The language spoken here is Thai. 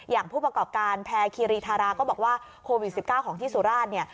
ผู้ประกอบการแพร่คีรีธาราก็บอกว่าโควิด๑๙ของที่สุราชเนี่ย